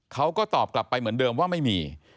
เขาก็ตอบกลับไปเหมือนเดิมว่าไม่มี